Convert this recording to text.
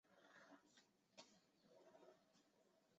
它们消失的原因不详。